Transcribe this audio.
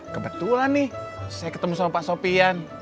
kebetulan nih saya ketemu sama pak sofian